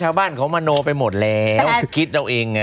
ชาวบ้านเขามโนไปหมดแล้วคิดเอาเองไง